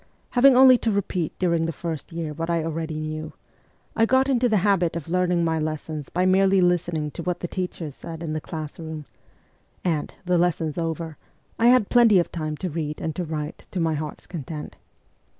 Having only to repeat during the first year what I already knew, I got into the habit of learning my lessons by merely listening to what the teachers said in the class room ; and, the lessons over, I had plenty of time to read and to write to my heart's content.